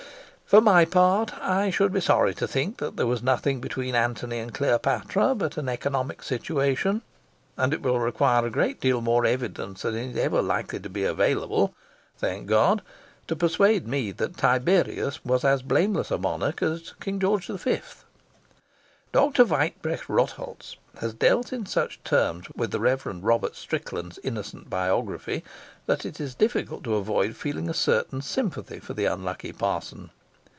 For my part, I should be sorry to think that there was nothing between Anthony and Cleopatra but an economic situation; and it will require a great deal more evidence than is ever likely to be available, thank God, to persuade me that Tiberius was as blameless a monarch as King George V. Dr. Weitbrecht Rotholz has dealt in such terms with the Rev. Robert Strickland's innocent biography that it is difficult to avoid feeling a certain sympathy for the unlucky parson.